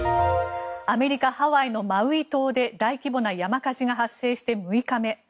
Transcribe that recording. アメリカ・ハワイのマウイ島で大規模な山火事が発生して６日目。